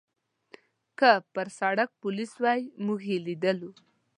که پر سړک پولیس وای، موږ یې لیدلو.